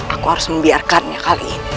aku harus membiarkannya